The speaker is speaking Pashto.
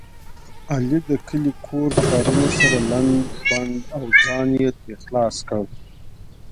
علي د کلي کور کارونه سره لنډ بنډ او ځان یې ترې خلاص کړ.